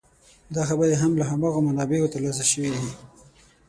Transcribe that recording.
دا خبرې هم له هماغو منابعو تر لاسه شوې دي.